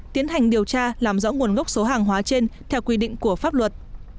tiến hành điều tra làm rõ nguồn gốc số hàng hóa trên theo quy định của pháp luật